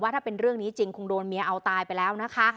ถ้าเป็นเรื่องนี้จริงคงโดนเมียเอาตายไปแล้วนะคะ